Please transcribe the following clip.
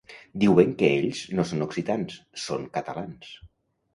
Diuen que ells no són occitans, són catalans.